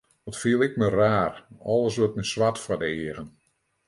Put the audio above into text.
Wat fiel ik my raar, alles wurdt my swart foar de eagen.